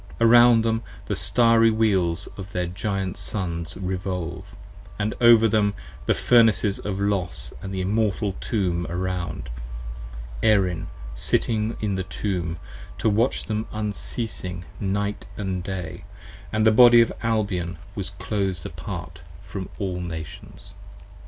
Around them the Starry Wheels of their Giant Sons Revolve: & over them the Furnaces of Los & the Immortal Tomb around: Erin sitting in the Tomb, to watch them unceasing night and day: And the Body of Albion was closed apart from all Nations.